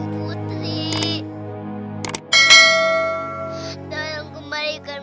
bunda dari jangan tinggalin putri